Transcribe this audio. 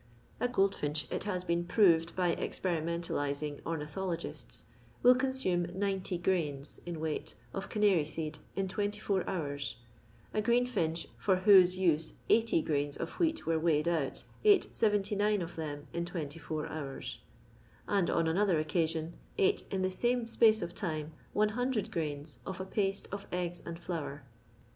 A goldfinch, it has been proved by experimen talising ornithologists, will consume 90 grains, in weis^t, of canary seed in 24 hours. A green finch, for whose use 80 grains of wheat were weighed out, ate 79 of them in 24 hours ; and, on another occasion ate, in the same space of time, 100 grains of a paste of eggs and flour.